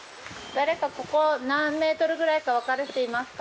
誰かここ何ｍぐらいか分かる人いますか？